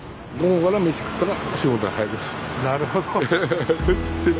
なるほど。